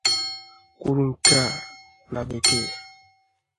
kwuru nke a na bekee: